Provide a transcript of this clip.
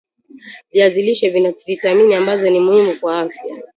viazi lishe vina vitamini ambazo ni muhimu kwa afya